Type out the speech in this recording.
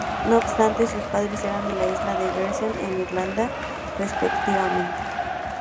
No obstante, sus padres eran de la isla de Guernsey e Irlanda respectivamente.